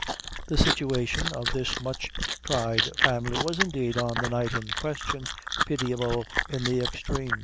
The situation of this much tried family, was, indeed, on the night in question, pitiable in the extreme.